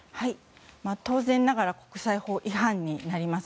当然ながら国際法違反になります。